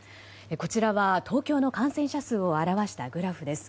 こちらは東京の感染者数を表したグラフです。